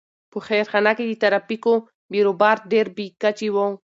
په خیرخانه کې د ترافیکو بېروبار ډېر بې کچې و.